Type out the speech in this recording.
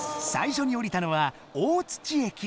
最初におりたのは大駅。